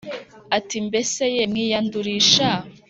Ati mbese ye mwiyandurisha